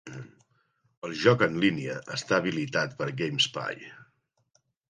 El joc en línia està habilitat per GameSpy.